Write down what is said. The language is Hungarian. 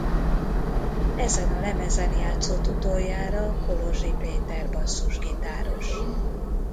Ezen a lemezen játszott utoljára Kolozsi Péter basszusgitáros.